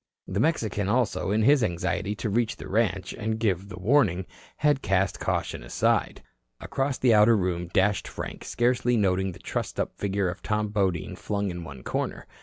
The Mexican also, in his anxiety to reach the ranch and give the warning, had cast caution aside. Across the outer room dashed Frank, scarcely noting the trussed up figure of Tom Bodine flung in one corner.